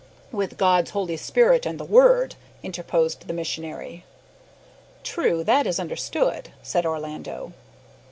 "With God's Holy Spirit and the Word," interposed the missionary. "True, that is understood," said Orlando.